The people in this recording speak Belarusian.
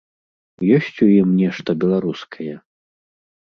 Ёсць у ім нешта беларускае?